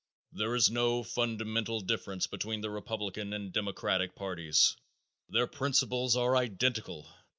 There is no fundamental difference between the Republican and Democratic parties. Their principles are identical.